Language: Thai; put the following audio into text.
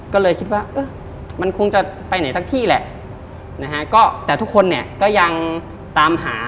ก็เลยคิดว่ามันคงจะไปไหนทั้งที่แหละแต่ทุกคนก็ยังตามหา